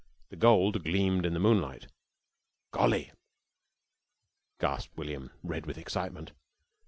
The gold gleamed in the moonlight." "Golly!" gasped William, red with excitement.